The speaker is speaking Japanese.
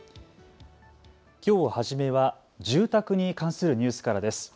きょう初めは住宅に関するニュースからです。